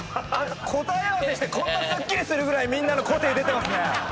答え合わせしてこんなすっきりするぐらいみんなの個性出てますね。